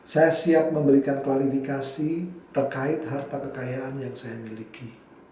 saya siap memberikan klarifikasi terkait harta kekayaan yang saya miliki